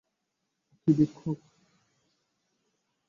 ও কি ভিক্ষুক?